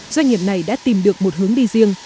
doanh nghiệp này đã tìm được một hướng đi riêng